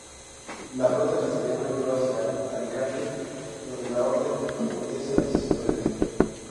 La flota castellana huyó hacia Alicante, donde la Orden de Montesa les hizo frente.